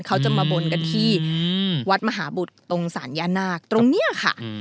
เขาจะมาบนกันที่วัดมหาบุตรตรงศาลย่านาคตรงนี้ค่ะ